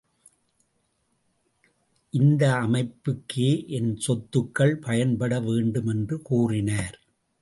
இந்த அமைப்புக்கே என் சொத்துக்கள் பயன்பட வேண்டும் என்று கூறினார்.